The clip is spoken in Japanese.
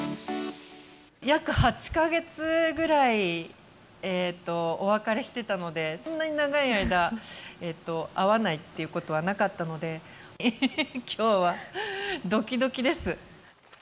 約８か月ぐらい、お別れしてたので、そんなに長い間、会わないっていうことはなかったので、きょうはどきどきです。